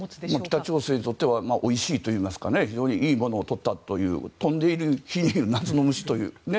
北朝鮮にとってはおいしいといいますか非常にいいものをとったと飛んで火に入る夏の虫というね。